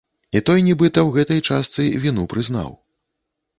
І той нібыта ў гэтай частцы віну прызнаў.